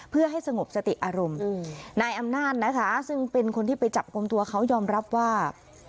เพื่อให้สงบสติอารมณ์นายอำนาจนะคะซึ่งเป็นคนที่ไปจับกลุ่มตัวเขายอมรับว่า